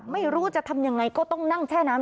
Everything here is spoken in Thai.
ไม่รู้จะทำยังไงก็ต้องนั่งแช่น้ำ